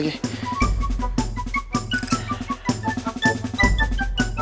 gue harus masak ummi